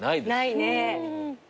ないね。